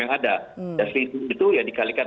yang ada dan itu ya dikalikan